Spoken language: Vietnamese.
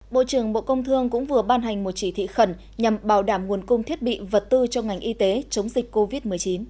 bộ trưởng bộ công thương cũng vừa ban hành một chỉ thị khẩn nhằm bảo đảm nguồn cung thiết bị vật tư cho ngành y tế chống dịch covid một mươi chín